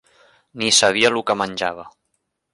Ni sabia lo que menjava